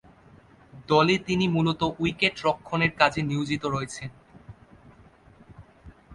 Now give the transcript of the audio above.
দলে তিনি মূলতঃ উইকেট রক্ষণের কাজে নিয়োজিত রয়েছেন।